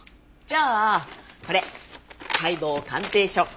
じゃあこれ解剖鑑定書。